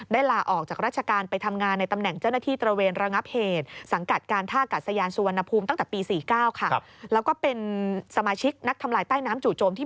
ได้ลาออกจากราชการไปทำงานในตำแหน่งเจ้าหน้าที่